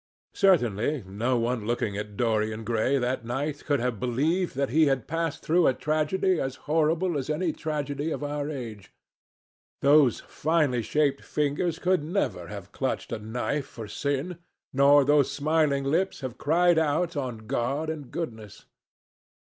Certainly no one looking at Dorian Gray that night could have believed that he had passed through a tragedy as horrible as any tragedy of our age. Those finely shaped fingers could never have clutched a knife for sin, nor those smiling lips have cried out on God and goodness.